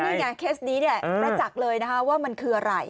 นี่ไงเคสนี้เนี่ยประจักษ์เลยนะคะว่ามันคืออะไร